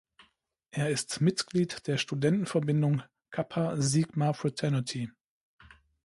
Er ist Mitglied der Studentenverbindung "Kappa Sigma Fraternity".